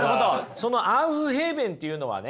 そのアウフヘーベンっていうのはね